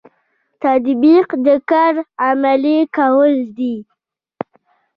تطبیق د کار عملي کول دي